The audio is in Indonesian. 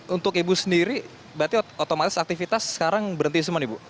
untuk ibu sendiri berarti otomatis aktivitas sekarang berhenti semua nih bu